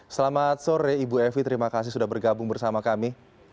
selamat sore ibu evi terima kasih sudah bergabung bersama kami